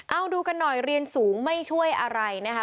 เอาดูกันหน่อยเรียนสูงไม่ช่วยอะไรนะคะ